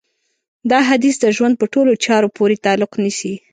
دا حديث د ژوند په ټولو چارو پورې تعلق نيسي.